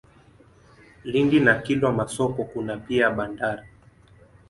Lindi na Kilwa Masoko kuna pia bandari.